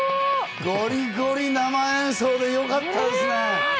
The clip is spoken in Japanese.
ゴリゴリの生演奏でよかったですね！